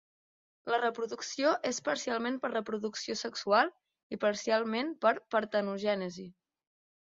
La reproducció és parcialment per reproducció sexual i parcialment per partenogènesi.